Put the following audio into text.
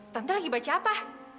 tante lagi baca apa